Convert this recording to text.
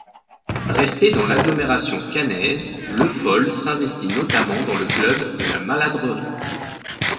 Resté dans l'agglomération caennaise, Lefol s'investit notamment dans le club de la Maladrerie.